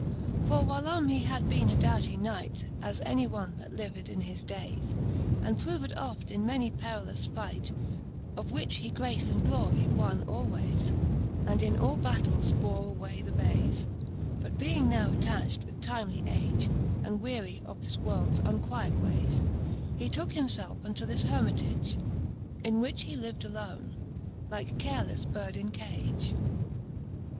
IV. For whylome he had bene a doughty Knight, As any one, that lived in his daies, And proved oft in many perillous fight, Of which he grace and glory wonne alwaies, And in all battels bore away the baies. But being now attacht with timely age, And weary of this worlds unquiet waies, He tooke him felfe unto this Hermitage, In which he liv'd alone, like carelefTe bird in cage.